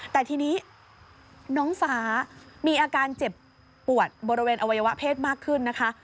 แต่ทีนี้น้องฟ้ามีอาการเจ็บปวดบริเวณอวัยวะเพศมากขึ้นนะคะ